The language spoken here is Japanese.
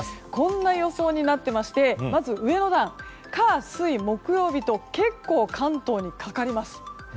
こんな予想になっていまして火、水、木曜日と結構、関東にかかります。